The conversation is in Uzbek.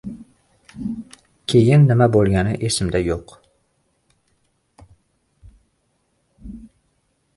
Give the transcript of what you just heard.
...Keyin nima bo‘lgani esimda yo‘q.